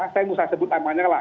saya sebut namanya lah